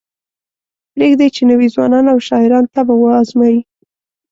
پریږدئ چې نوي ځوانان او شاعران طبع وازمایي.